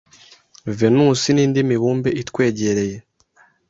Venusi n’indi mibumbe itwegereye